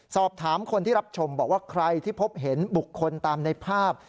สอบถามคนที่รับชมบอกว่าใครที่พบเห็นบุคคลตามในภาพ